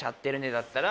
だったら。